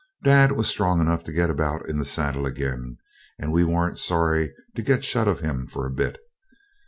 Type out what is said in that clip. Dad was strong enough to get about in the saddle again, and we weren't sorry to get shut of him for a bit.